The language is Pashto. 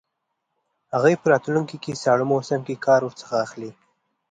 هغه په راتلونکي ساړه موسم کې کار ورڅخه واخلي.